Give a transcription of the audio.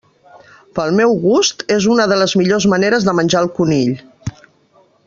Per al meu gust, és una de les millors maneres de menjar el conill.